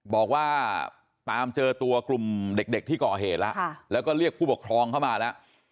บอกว่าตามเจอตัวกลุ่มเด็กที่ก่อเหตุแล้วแล้วก็เรียกผู้ปกครองเข้ามาแล้ว